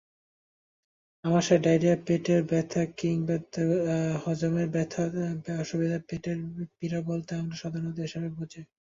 আমাশয়, diarrhoea, পেটের ব্যথা কিংবা হজমের অসুবিধা—পেটের পীড়া বলতে আমরা সাধারণত এসবই বুঝি।